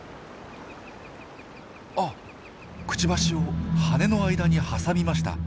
あっクチバシを羽の間に挟みました。